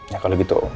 ya kalau gitu